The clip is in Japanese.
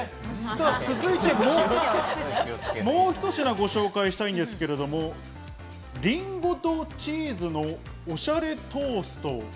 もうひと品ご紹介したいんですが、りんごとチーズのおしゃれトースト。